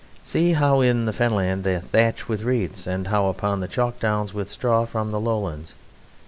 See how in the Fen Land they thatch with reeds, and how upon the Chalk Downs with straw from the Lowlands.